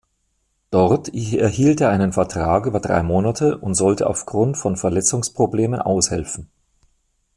Dort erhielt er einen Vertrag über drei Monate und sollte aufgrund von Verletzungsproblemen aushelfen.